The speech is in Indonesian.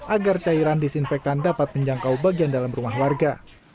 agar cairan disinfektan dapat menjangkau bagian dalam rumah warga